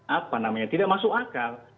apa namanya tidak masuk akal